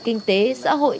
kinh tế xã hội